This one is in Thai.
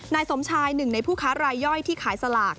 นายสมชายหนึ่งในผู้ค้ารายย่อยที่ขายสลาก